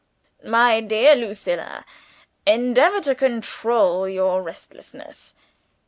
"My dear Lucilla, endeavor to control your restlessness.